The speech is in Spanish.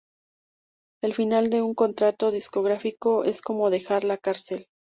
El final de un contrato discográfico es como dejar la carcel